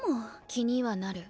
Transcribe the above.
気にはなる。